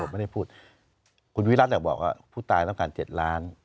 ไม่ได้พูดคุณวิรัติบอกว่าผู้ตายต้องการ๗ล้าน